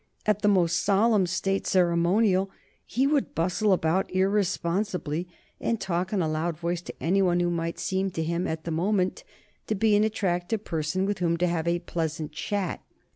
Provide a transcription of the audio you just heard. At the most solemn State ceremonial he would bustle about irresponsibly, and talk in a loud voice to any one who might seem to him at the moment to be an attractive person with whom to have a pleasant chat.